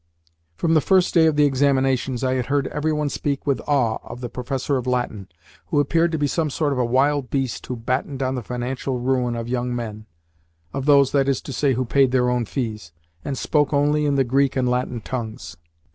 From the first day of the examinations, I had heard every one speak with awe of the Professor of Latin, who appeared to be some sort of a wild beast who battened on the financial ruin of young men (of those, that is to say, who paid their own fees) and spoke only in the Greek and Latin tongues.